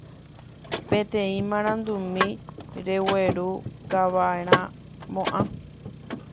peteĩ marandumi reguerukava'erãmo'ã